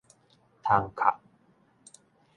窗崁